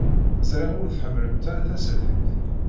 Ẓriɣ ur tḥemmlemt ara tasertit.